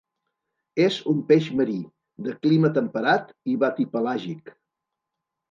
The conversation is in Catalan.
És un peix marí, de clima temperat i batipelàgic.